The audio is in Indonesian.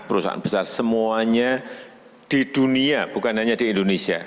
perusahaan besar semuanya di dunia bukan hanya di indonesia